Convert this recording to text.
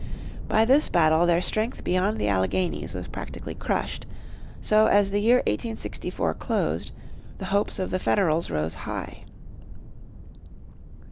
By this battle their strength beyond the Alleghenies was practically crushed, so as the year 1864 closed, the hopes of the Federals rose high.